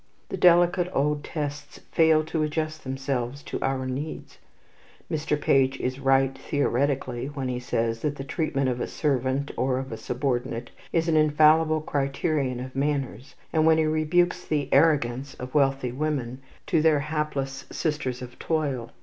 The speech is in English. The delicate old tests fail to adjust themselves to our needs. Mr. Page is right theoretically when he says that the treatment of a servant or of a subordinate is an infallible criterion of manners, and when he rebukes the "arrogance" of wealthy women to "their hapless sisters of toil."